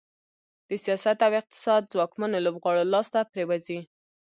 د سیاست او اقتصاد ځواکمنو لوبغاړو لاس ته پرېوځي.